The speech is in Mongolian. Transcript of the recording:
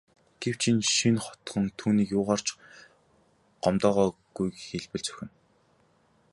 Гэвч энэ шинэ хотхон түүнийг юугаар ч гомдоогоогүйг хэлбэл зохино.